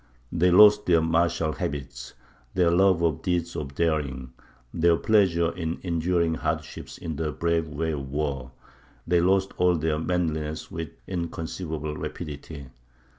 They lost their martial habits, their love of deeds of daring, their pleasure in enduring hardships in the brave way of war they lost all their manliness with inconceivable rapidity.